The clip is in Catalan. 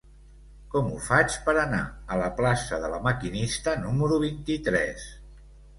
Com ho faig per anar a la plaça de La Maquinista número vint-i-tres?